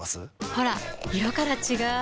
ほら色から違う！